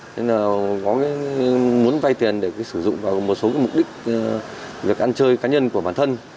nên muốn vay tiền để sử dụng vào một số mục đích việc ăn chơi cá nhân của bản thân